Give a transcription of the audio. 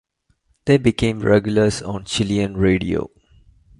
They became regulars on Chilean radio.